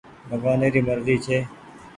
ڀگوآني ري مرزي ڇي